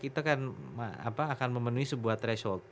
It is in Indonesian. kita akan memenuhi sebuah threshold